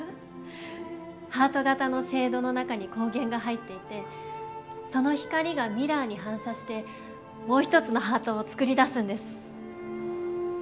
ハート形のシェードの中に光源が入っていてその光がミラーに反射してもう一つのハートを作り出すんです。